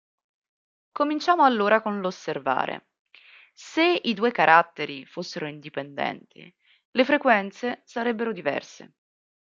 Cominciamo allora con l'osservare se i due caratteri fossero indipendenti le frequenze sarebbero diverse.